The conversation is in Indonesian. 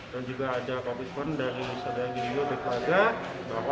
dan juga ada komitmen dari saudara giorgio dan pelaga bahwa